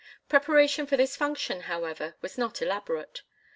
Preparation for this function, however, was not elaborate.